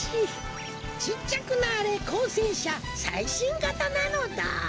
ちっちゃくなーれこうせんしゃさいしんがたなのだ！